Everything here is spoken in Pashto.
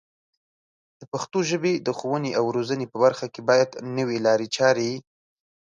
د پښتو ژبې د ښوونې او روزنې په برخه کې باید نوې لارې چارې